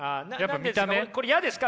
これ嫌ですか？